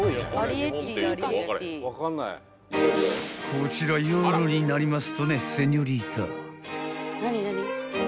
［こちら夜になりますとねセニョリータ］